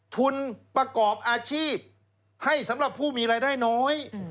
ทุนประกอบอาชีพให้สำหรับผู้มีรายได้น้อย